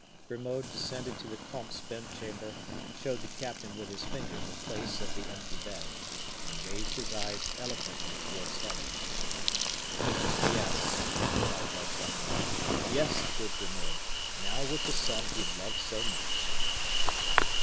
Grimaud descended to the comte's bed chamber, showed the captain with his finger the place of the empty bed, and raised his eyes eloquently towards Heaven. "Yes," replied D'Artagnan, "yes, good Grimaud now with the son he loved so much!"